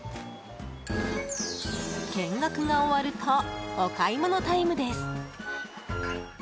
見学が終わるとお買い物タイムです。